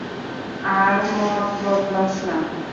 আর মত বদলাস না।